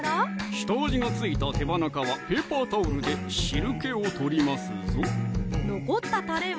下味が付いた手羽中はペーパータオルで汁けを取りますぞ残ったたれは？